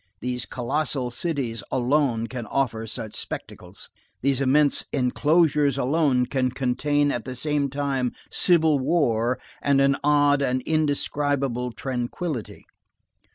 These colossal cities alone can offer such spectacles. These immense enclosures alone can contain at the same time civil war and an odd and indescribable tranquillity.